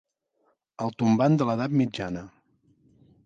El tombant de l'edat mitjana.